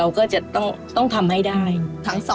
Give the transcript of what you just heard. ลูกขาดแม่